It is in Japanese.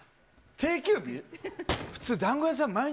定休日？